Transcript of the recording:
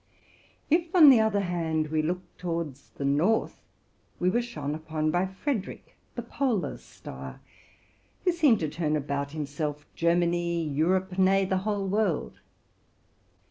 If, on the other hand, we looked towards the north, we were shone upon by Frederick, the polar star, who seemed to turn about himself Germany, Europe, — nay, the whole world.